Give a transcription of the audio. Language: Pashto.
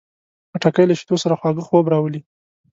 خټکی له شیدو سره خواږه خوب راولي.